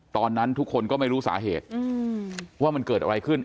ตอนนั้นทุกคนก็ไม่รู้สาเหตุว่ามันเกิดอะไรขึ้น